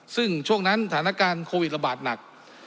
ซึ่งช่วงนั้นสถานการณ์โควิดระบาดหนัก